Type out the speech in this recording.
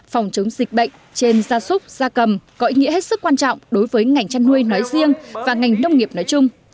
phòng chống dịch bệnh trên gia súc gia cầm có ý nghĩa hết sức quan trọng đối với ngành chăn nuôi nói riêng và ngành nông nghiệp nói chung